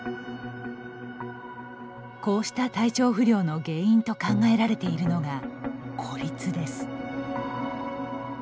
こうした体調不良の原因と考えられているのが孤立です。